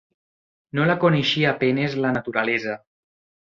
No la coneixia a penes la naturalesa.